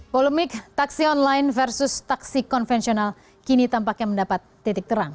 polemik taksi online versus taksi konvensional kini tampaknya mendapat titik terang